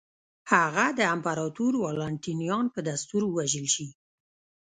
هغه د امپراتور والنټینیان په دستور ووژل شي.